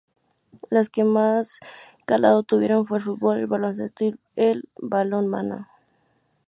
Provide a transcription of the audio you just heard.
Las que más calado tuvieron fue el fútbol, el baloncesto y el balonmano.